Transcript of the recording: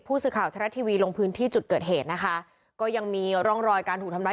ผู้สื่อข่าวทรัฐทีวีลงพื้นที่จุดเกิดเหตุนะคะก็ยังมีร่องรอยการถูกทำร้าย